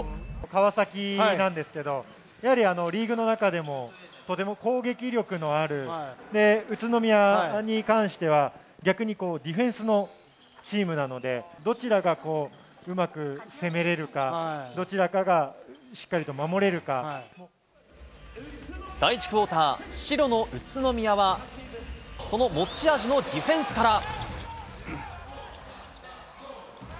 川崎なんですけど、やはりリーグの中でも、とても攻撃力のある、で、宇都宮に関しては、逆にディフェンスのチームなので、どちらがこう、うまく攻めれるか、第１クオーター、白の宇都宮は、その持ち味のディフェンスから。